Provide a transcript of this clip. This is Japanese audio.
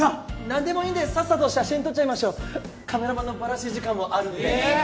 何でもいいんでさっさと写真撮っちゃいましょうカメラマンのばらし時間もあるんでえ！